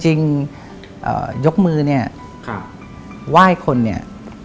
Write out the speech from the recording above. ยกมือเนี่ยไหว้คนเนี่ย